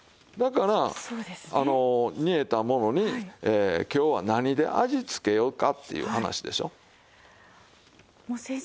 だから煮えたものに今日は何で味付けようかっていう話でしょう。